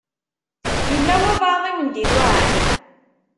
Yella walebɛaḍ i wen-d-iluɛan?